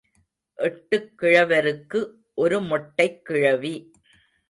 எட்டுக் கிழவருக்கு ஒரு மொட்டைக் கிழவி.